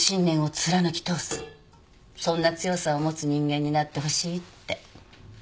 そんな強さを持つ人間になってほしいって。